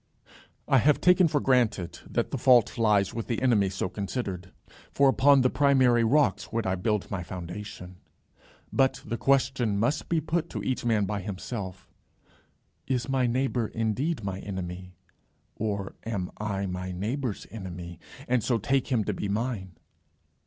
I have taken for granted that the fault lies with the enemy so considered, for upon the primary rocks would I build my foundation. But the question must be put to each man by himself, "Is my neighbour indeed my enemy, or am I my neighbour's enemy, and so take him to be mine?